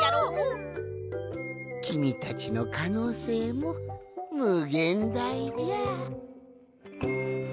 きみたちのかのうせいもむげんだいじゃ。